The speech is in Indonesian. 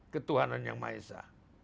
ketuhanan yang maha esa